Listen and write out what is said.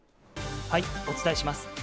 お伝えします。